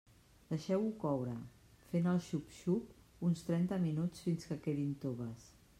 Deixeu-ho coure, fent el xup-xup, uns trenta minuts fins que quedin toves.